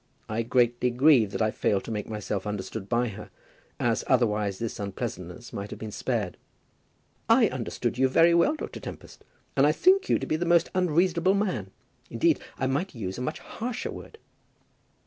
I greatly grieve that I failed to make myself understood by her, as, otherwise, this unpleasantness might have been spared." "I understood you very well, Dr. Tempest, and I think you to be a most unreasonable man. Indeed, I might use a much harsher word."